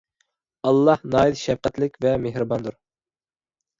ئاللاھ ناھايتى شەپقەتلىك ۋە مېھرىباندۇر